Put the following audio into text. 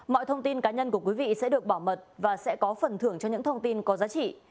mọi thông tin cá nhân của quý vị sẽ được bảo mật và sẽ có phần thưởng cho những thông tin có giá trị